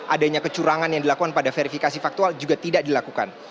adanya kecurangan yang dilakukan pada verifikasi faktual juga tidak dilakukan